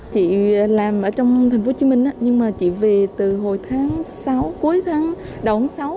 chị làm ở trong tp hcm nhưng mà chị về từ hồi tháng sáu cuối tháng đầu tháng sáu